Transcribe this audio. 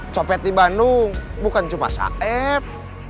copet di bandung bukan cuma satep